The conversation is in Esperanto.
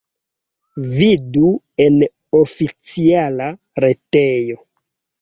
Vidu en oficiala retejo.